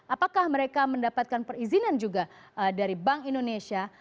apakah mereka mendapatkan perizinan juga dari bank indonesia